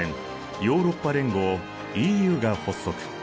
ヨーロッパ連合ＥＵが発足。